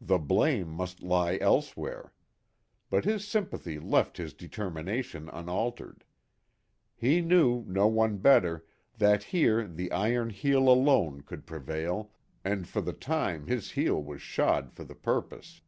The blame must lie elsewhere. But his sympathy left his determination unaltered. He knew, no one better, that here the iron heel alone could prevail, and for the time his heel was shod for the purpose.